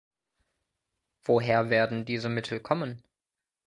Woher werden diese Mittel kommen?